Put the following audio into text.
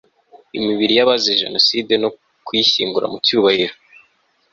imibiri y'abazize jenoside no kuyishyingura mu cyubahiro